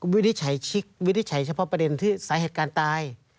วินิจฉัยชิกวินิจฉัยเฉพาะประเด็นที่สาเหตุการณ์ตาย